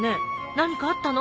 何かあったの？